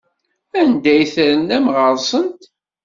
Anda ay ternam ɣer-sent?